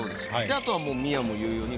あとはもう宮も言うように。